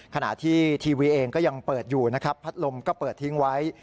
ขณะที่ทีวีเองก็ยังเปิดอยู่นะครับพัดลมก็เปิดทิ้งไว้